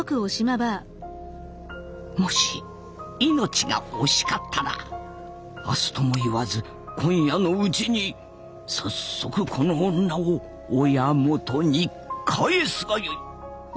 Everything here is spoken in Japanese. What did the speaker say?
もし命が惜しかったら明日とも言わず今夜のうちに早速この女を親元に返すがよい。